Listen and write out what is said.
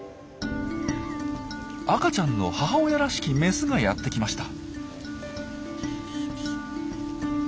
赤ちゃんの母親らしきメスがやって来ました。